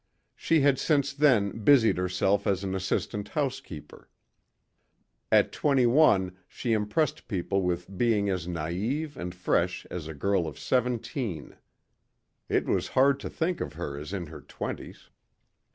She had since then busied herself as an assistant housekeeper. At twenty one she impressed people with being as naive and fresh as a girl of seventeen. It was hard to think of her as in her twenties.